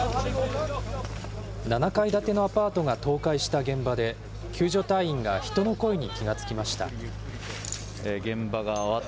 ７階建てのアパートが倒壊した現場で、救助隊員が人の声に気がつきました。